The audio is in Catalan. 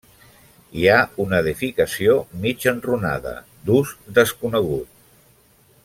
Hi ha una edificació mig enrunada, d'ús desconegut.